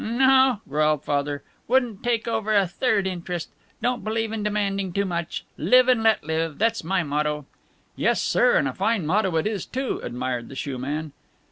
"No," growled Father, "wouldn't take over a third interest. Don't believe in demanding too much. Live and let live, that's my motto." "Yes, sir, and a fine motto it is, too," admired the shoeman.